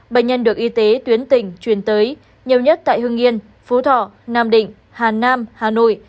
bệnh nhân được y tế tuyến tỉnh truyền tới nhiều nhất tại hưng yên phú thọ nam định hà nam hà nội